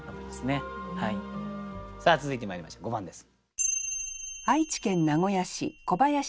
さあ続いてまいりましょう５番です。